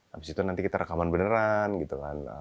habis itu nanti kita rekaman beneran gitu kan